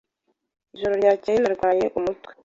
Ijoro ryakeye narwaye umutwe.